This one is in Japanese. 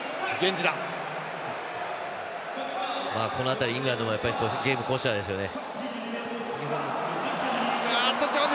この辺りもイングランドもゲーム巧者ですよね。